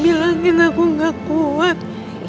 bilangin aku gak kuat